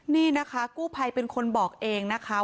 นี่นะคะกู้ภัยเป็นคนบอกเองนะคะ